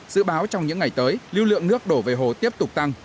dự báo trong những ngày tới lưu lượng nước đổ về hồ tiếp tục tăng